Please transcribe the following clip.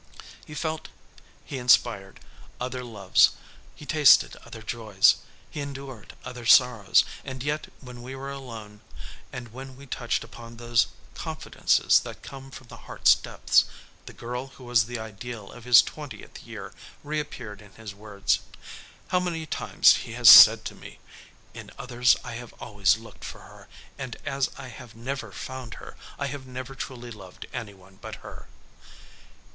He felt, he inspired, other loves. He tasted other joys. He endured other sorrows, and yet when we were alone and when we touched upon those confidences that come from the heart's depths, the girl who was the ideal of his twentieth year reappeared in his words. How many times he has said to me, 'In others I have always looked for her and as I have never found her, I have never truly loved any one but her.'"